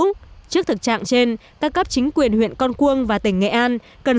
trước thực trạng trên các cấp chính quyền huyện con cuông và tỉnh nghệ an